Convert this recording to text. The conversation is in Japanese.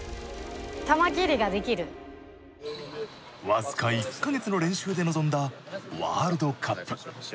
僅か１か月の練習で臨んだワールドカップ。